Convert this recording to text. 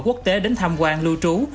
quốc tế đến tham quan lưu trú